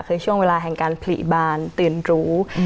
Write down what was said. คือช่วงเวลาแห่งการผลิบานตื่นรู้